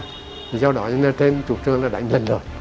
thì giao đoạn trên trụ trương là đánh lần rồi